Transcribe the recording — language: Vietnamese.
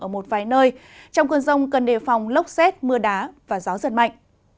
ở một vài nơi trong cơn rông cần đề phòng lốc xét mưa đá và gió giật mạnh